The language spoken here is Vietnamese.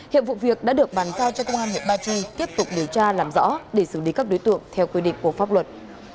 hiện vụ việc đã được bàn giao cho công an huyện ba chi tiếp tục điều tra làm rõ để xử lý các đối tượng theo quy định của pháp luật